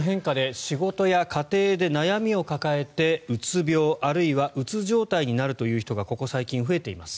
コロナによる環境の変化で仕事や家庭で悩みを抱えてうつ病あるいはうつ状態になるという人がここ最近、増えています。